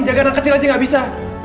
jangan kecil aja nggak bisa